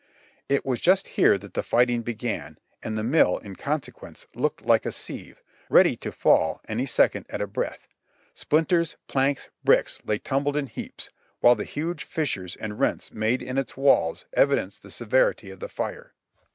It was just here that the fighting began, and the mill, in consequence, looked like a sieve, ready to fall any second at a breath. Splinters, planks, bricks lay tumbled in heaps, while the huge fissures and rents made in its walls evidenced the severity of the fire.